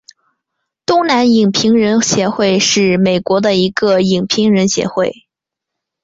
东南影评人协会是美国的一个影评人协会。